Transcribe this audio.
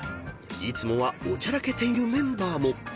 ［いつもはおちゃらけているメンバーも］